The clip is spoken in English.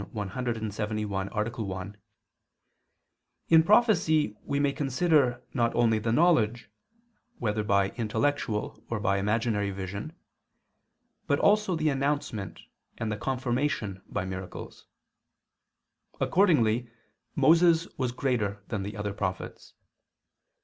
171, A. 1), in prophecy we may consider not only the knowledge, whether by intellectual or by imaginary vision, but also the announcement and the confirmation by miracles. Accordingly Moses was greater than the other prophets.